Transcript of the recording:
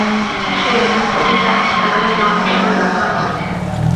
সে এজেন্সিকে তার হত্যাকারী দল হিসেবে ব্যবহার করছে।